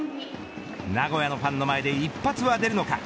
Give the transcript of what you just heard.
名古屋のファンの前で一発は出るのか。